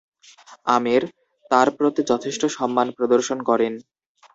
আমের তার প্রতি যথেষ্ট সম্মান প্রদর্শন করেন।